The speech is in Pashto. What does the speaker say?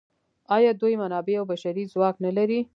آیا دوی منابع او بشري ځواک نلري؟